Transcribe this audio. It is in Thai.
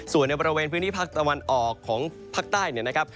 ส่วนในบริเวณพื้นที่ภาคตะวันออกของภาคใต้เนี่ยนะครับ